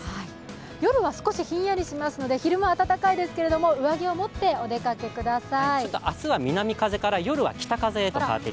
夜は少しひんやりしますので、昼間暖かいですけれども上着を持ってお出掛けください。